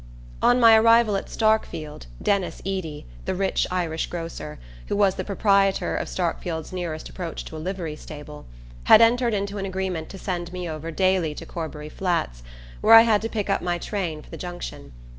On my arrival at Starkfield, Denis Eady, the rich Irish grocer, who was the proprietor of Starkfield's nearest approach to a livery stable, had entered into an agreement to send me over daily to Corbury Flats, where I had to pick up my train for the Junction.